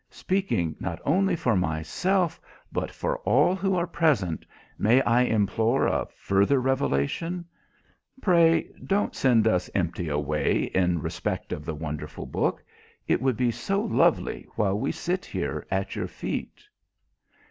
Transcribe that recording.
Speaking not only for myself, but for all who are present, may I implore a further revelation? Pray don't send us empty away in respect of the wonderful book. It would be so lovely while we sit here at your feet."...